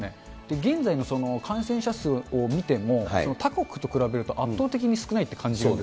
現在の感染者数を見ても、他国と比べると、圧倒的に少ないと感じると。